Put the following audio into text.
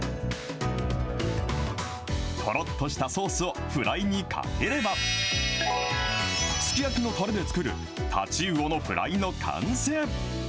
とろっとしたソースをフライにかければ、すき焼きのたれで作る太刀魚のフライの完成。